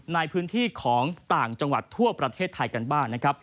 ในพื้นที่ของต่างจังหวัดทั่วประเทศไทยกันบ้างนะครับ